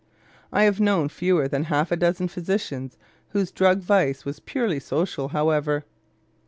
I have known fewer than half a dozen physicians whose drug vice was purely social, however.